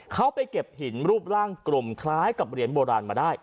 เขาไปเก็บหินรูปร่างกลมคล้ายกับเหรียญโบราณมาได้